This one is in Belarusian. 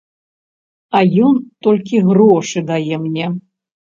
А ён толькі грошы дае мне.